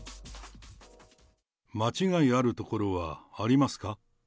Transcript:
間違いあるところはありますか？